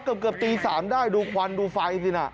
เกือบตี๓ได้ดูควันดูไฟสินะ